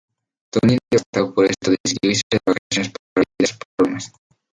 Tony devastado por esto decidió irse de vacaciones para olvidar sus problemas.